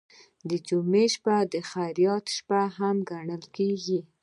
د جمعې شپه د خیرات شپه ګڼل کیږي.